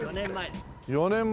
４年前。